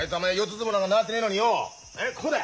相撲なんか習ってねえのによこうだ！